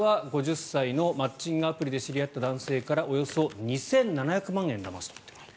マッチングアプリで知り合った５０歳の男性からおよそ２７００万円だまし取っている。